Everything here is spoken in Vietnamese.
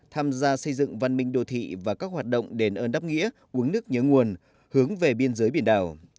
tham gia xây dựng văn minh đô thị và các hoạt động đền ơn đáp nghĩa uống nước nhớ nguồn hướng về biên giới biển đảo